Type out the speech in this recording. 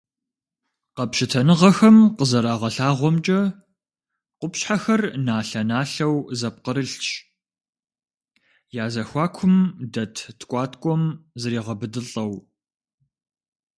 Къэпщытэныгъэхэм къызэрагъэлъэгъуамкӏэ, къупщхьэхэр налъэ-налъэу зэпкърылъщ, я зэхуакум дэт ткӏуаткӏуэм зригъэбыдылӏэу.